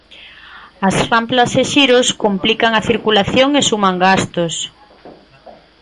As ramplas e xiros complican a circulación e suman gastos.